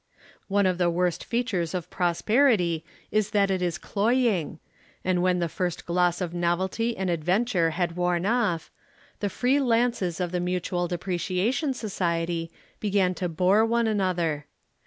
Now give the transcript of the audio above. One of the worst features of prosperity is that it is cloying, and when the first gloss of novelty and adventure had worn off, the free lances of the Mutual Depreciation Society began to bore one another.